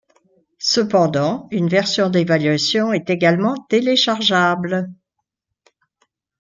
Cependant, une version d'évaluation est également téléchargeable.